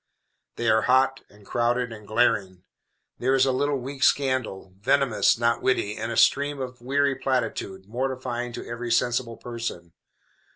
They are hot, and crowded, and glaring. There is a little weak scandal, venomous, not witty, and a stream of weary platitude, mortifying to every sensible person.